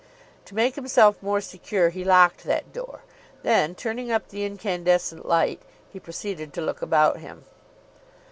To make himself more secure he locked that door; then, turning up the incandescent light, he proceeded to look about him.